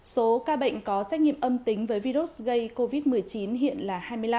số ca bệnh có xét nghiệm âm tính với virus gây covid một mươi chín hiện là hai mươi năm